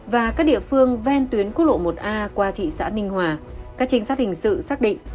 và các địa phương ven tuyến quốc lộ một a qua thị xã ninh hòa các trinh sát hình sự xác định